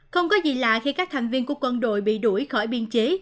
không có gì lạ khi các thành viên của quân đội bị đuổi khỏi biên chế